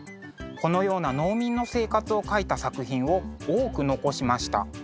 このような農民の生活を描いた作品を多く残しました。